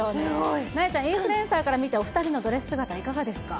なえちゃん、インフルエンサーから見て、お２人のドレス姿、いかがですか？